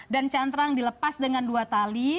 dan cantrang dilepas dengan dua tali